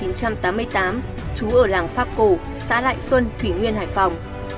sinh năm một nghìn chín trăm tám mươi tám trú ở làng pháp cổ xã lại xuân thủy nguyên hải phòng